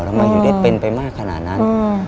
ทำไมถึงได้เป็นไปมากขนาดนั้น